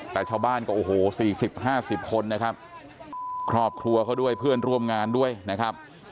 แต่ชาวบ้านก็โอ้โห๔๐๕๐คนนะครับครอบครัวเขาด้วยเพื่อนร่วมงานด้วยนะครับ